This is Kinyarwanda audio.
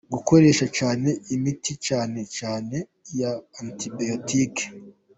Gukoresha cyane imiti cyane cyane ya antibiyotike.